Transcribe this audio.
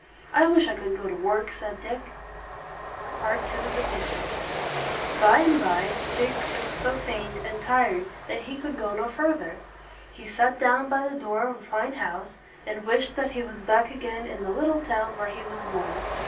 "I wish I could go to work!" said Dick. II. THE KITCHEN. By and by Dick grew so faint and tired that he could go no farther. He sat down by the door of a fine house, and wished that he was back again in the little town where he was born.